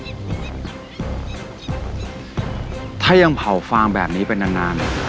อ๋อหวังถ้ายังเผาฟางแบบนี้เป็นนานอ่ะ